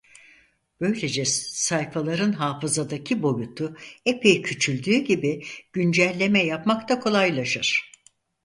Böylece sayfaların hafızadaki boyutu epey küçüldüğü gibi güncelleme yapmak da kolaylaşır.